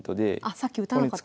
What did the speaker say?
さっき打たなかったから。